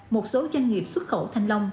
một số doanh nghiệp xuất khẩu thanh lòng